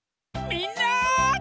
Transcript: みんな！